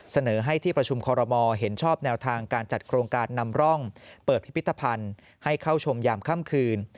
เสนอให้ที่ประชุมคอรมอลเห็นชอบแนวทางการจัดโครงการนำร่องเปิดพิพิธภัณฑ์ให้เข้าชมยามค่ำคืน